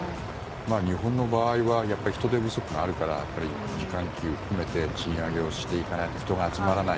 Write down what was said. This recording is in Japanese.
日本の場合はやっぱり人手不足があるから時間給を含めて賃上げをしていかないと人が集まらない。